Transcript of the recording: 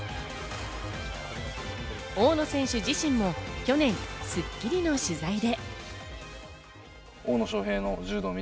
大野選手自身も去年『スッキリ』の取材で。